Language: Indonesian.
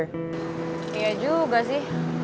iya juga sih